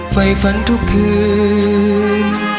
ไฟฝันทุกคืน